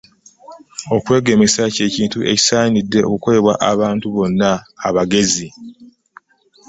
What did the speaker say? Okwegemesa ky'ekintu ekisaanidde okukolebwa abantu bonna abagezi.